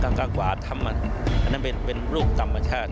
ข้างกวาถอันนั้นเป็นอกฏรูปตำมันชาติ